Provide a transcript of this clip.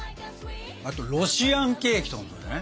あとロシアンケーキとかもだね。